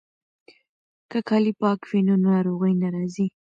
که کالي پاک وي نو ناروغي نه راځي.